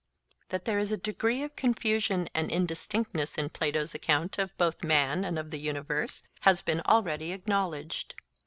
That there is a degree of confusion and indistinctness in Plato's account both of man and of the universe has been already acknowledged.